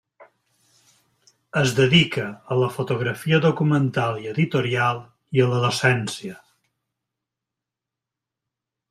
Es dedica a la fotografia documental i editorial, i a la docència.